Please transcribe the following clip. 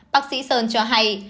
bác sĩ sơn cho hay